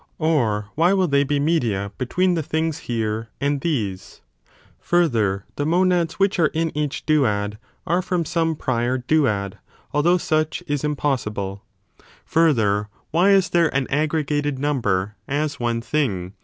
or why will they be media between the things here and these? 3. Remaining Further, the monads which are in each duad ««»on8 are from some prior duad, although such is im possible. Further, why is there an aggregated number, as one thing?